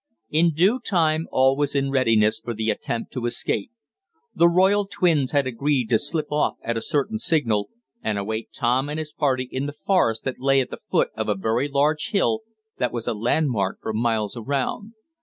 In due time all was in readiness for the attempt to escape. The royal twins had agreed to slip off at a certain signal, and await Tom and his party in the forest at the foot of a very large hill, that was a landmark for miles around.